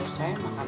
terus saya makan